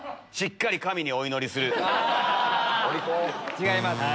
違います。